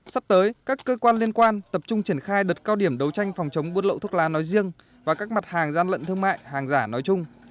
sắp tới các cơ quan liên quan tập trung triển khai đợt cao điểm đấu tranh phòng chống buôn lậu thuốc lá nói riêng và các mặt hàng gian lận thương mại hàng giả nói chung